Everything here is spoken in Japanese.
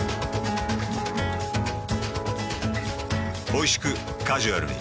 おいしくカジュアルに。